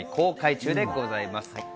現在公開中でございます。